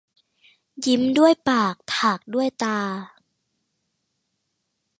ยิ้มด้วยปาก ถากด้วยตา